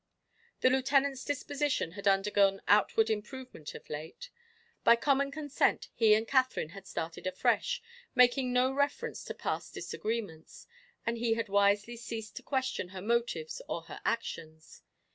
The Lieutenant's disposition had undergone outward improvement of late. By common consent he and Katherine had started afresh, making no reference to past disagreements, and he had wisely ceased to question her motives or her actions.